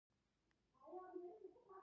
د سمندر پیژندنې انجنیری یوه بله څانګه ده.